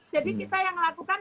jadi kita yang lakukan